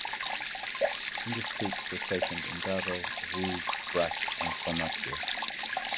English troops were stationed in Derval, Rouge, Brest and Saint-Mathieu.